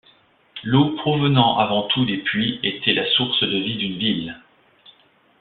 L'eau provenant avant tout des puits était la source de vie d'une ville.